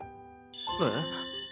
えっ？